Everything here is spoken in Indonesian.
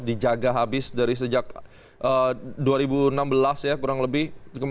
dijaga habis dari sejak dua ribu enam belas ya kurang lebih